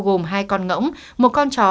gồm hai con ngỗng một con chó